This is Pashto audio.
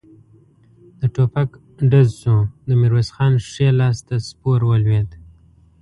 د ټوپک ډز شو، د ميرويس خان ښی لاس ته سپور ولوېد.